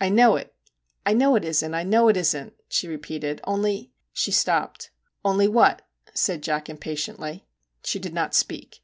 I know it, I know it isn't, I know it isn't/ she repeated, ' only ' She stopped. 'Only what?' said Jack impatiently. She did not speak.